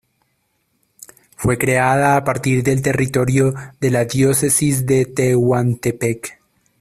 Fue creada a partir de territorio de la Diócesis de Tehuantepec.